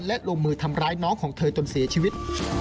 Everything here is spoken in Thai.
และลงมือทำร้ายน้องของเธอจนเสียชีวิต